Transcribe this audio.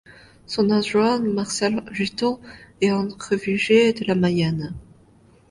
Son adjoint, Marcel Juteau, est un réfugié de la Mayenne.